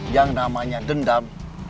yang namanya dendam